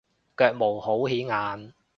腳毛好顯眼